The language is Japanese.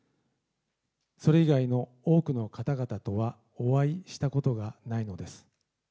それ以外の多くの方々とはお会いしたことがないのです。